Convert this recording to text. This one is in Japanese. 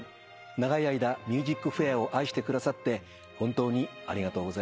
長い間『ＭＵＳＩＣＦＡＩＲ』を愛してくださって本当にありがとうございました。